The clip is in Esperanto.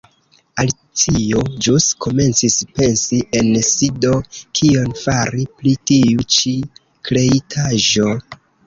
Alicio ĵus komencis pensi en si "Do, kion fari pri tiu ĉi kreitaĵo?"